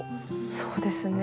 そうですね。